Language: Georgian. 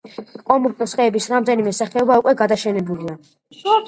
კომბოსტოს ხეების რამდენიმე სახეობა უკვე გადაშენებულია.